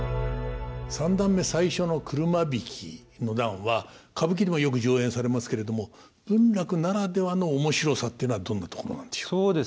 三段目最初の「車曳の段」は歌舞伎でもよく上演されますけれども文楽ならではの面白さっていうのはどんなところなんでしょう？